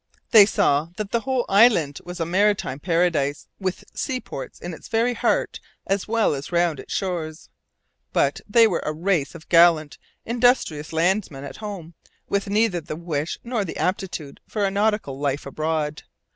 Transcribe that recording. They saw that the whole island was a maritime paradise, with seaports in its very heart as well as round its shores. But they were a race of gallant, industrious landsmen at home, with neither the wish nor the aptitude for a nautical life abroad.